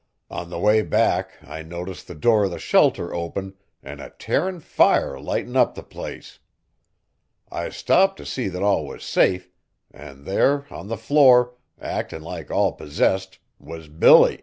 On the way back I noticed the door o' the shelter open an' a tearin' fire lightin' up the place. I stopped t' see that all was safe, an' there on the floor, actin' like all possessed, was Billy!